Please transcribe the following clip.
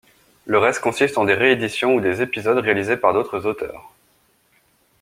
Le reste consiste en des rééditions ou des épisodes réalisés par d'autres auteurs.